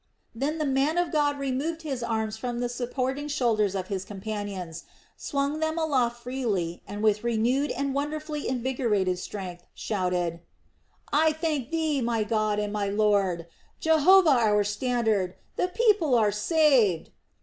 Then the man of God removed his arms from the supporting shoulders of his companions, swung them aloft freely and with renewed and wonderfully invigorated strength shouted: "I thank Thee, my God and my Lord! Jehovah our standard! The people are saved!"